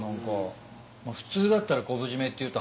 普通だったら昆布締めっていうと挟むんですよね？